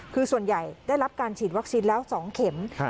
คือส่วนใหญ่ได้รับการฉีดวัคซีนแล้ว๒เข็ม